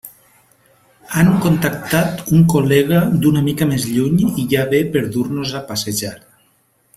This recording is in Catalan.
Han contactat un col·lega d'una mica més lluny i ja ve per dur-nos a passejar.